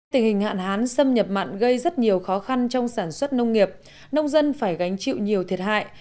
tình hình hạn hán xâm nhập mặn gây rất nhiều khó khăn trong sản xuất nông nghiệp nông dân phải gánh chịu nhiều thiệt hại